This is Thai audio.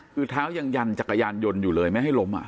คือเท้ายังยันจักรยานยนต์อยู่เลยไม่ให้ล้ม